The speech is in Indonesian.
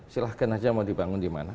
silahkan aja mau dibangun dimana